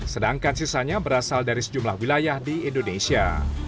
sedangkan sisanya berasal dari sejumlah wilayah di indonesia